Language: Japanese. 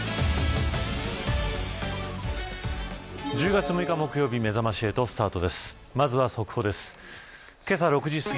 １０月６日木曜日めざまし８スタートです。